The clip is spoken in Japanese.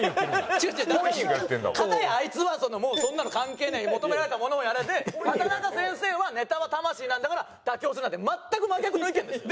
違う違うだって片やあいつはもうそんなの関係ない求められたものをやれで畠中先生はネタは魂なんだから妥協するなって全く真逆の意見ですよ。